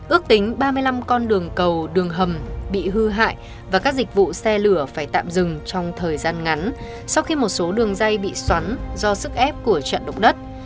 ước tính ba mươi năm con đường cầu đường hầm bị hư hại và các dịch vụ xe lửa phải tạm dừng trong thời gian ngắn sau khi một số đường dây bị xoắn do sức ép của trận động đất